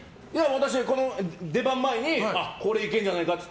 私は出番前に、これはいけるんじゃないかって。